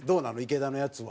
池田のやつは。